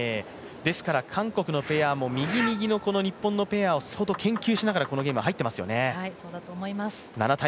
ですから韓国のペアも右右の日本のペアを相当、研究しながらこのゲーム入ってますよね。